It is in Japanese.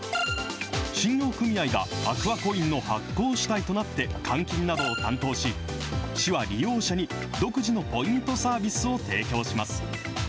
信用組合がアクアコインの発行主体となって、換金などを担当し、市は利用者に独自のポイントサービスを提供します。